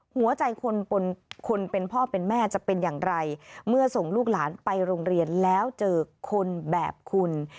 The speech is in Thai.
หัวใจคนเป็นพ่อเป็นแม่จะเป็นอย่างไรเมื่อส่งลูกหลานไปโรงเรียนแล้วเจอคนแบบคุณ